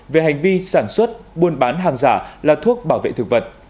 về hành vi sản xuất buôn bán hàng giả là thuốc bảo vệ thực vật